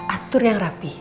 atur yang rapi